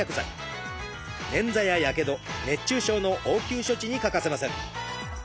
ねんざややけど熱中症の応急処置に欠かせません。